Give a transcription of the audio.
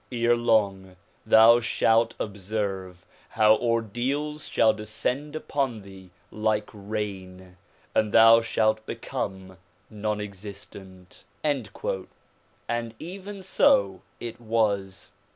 Ere long thou shalt observe how ordeals shall descend upon thee like rain and thou shalt become non existent." And even so it was.